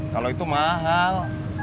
kalau itu mahal